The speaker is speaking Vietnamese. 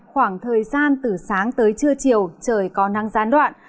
khoảng thời gian từ sáng tới trưa chiều trời có năng gián đoạn